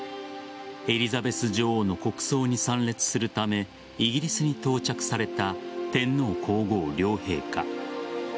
エリザベス女王の国葬に参列するためイギリスに到着された天皇皇后両陛下。